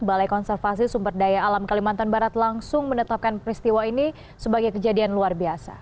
balai konservasi sumber daya alam kalimantan barat langsung menetapkan peristiwa ini sebagai kejadian luar biasa